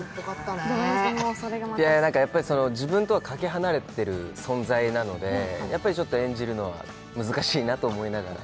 やっぱり自分とはかけ離れてる存在なので演じるのは難しいなと思いながら。